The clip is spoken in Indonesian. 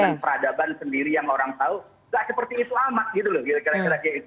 bukan peradaban sendiri yang orang tahu nggak seperti itu amat gitu loh kira kira